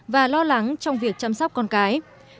và lo lắng trong việc chăm sóc con cái